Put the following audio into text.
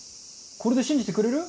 これで信じてくれる？